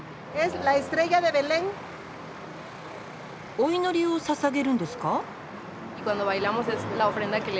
お祈りを捧げるんですか？